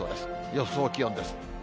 予想気温です。